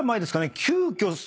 急きょ